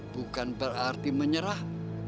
bukan berarti menyerah